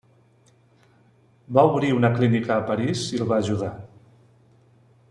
Va obrir una clínica a París i el va ajudar.